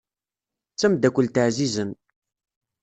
D tamdakkelt ɛzizen.